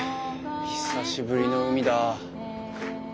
久しぶりの海だ。